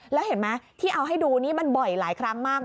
แล้วเห็นไหมที่เอาให้ดูนี่มันบ่อยหลายครั้งมาก